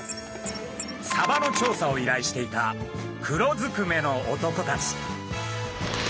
サバの調査をいらいしていた黒ずくめの男たち。